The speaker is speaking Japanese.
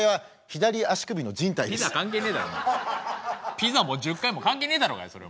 ピザも１０回も関係ねえだろうがそれ！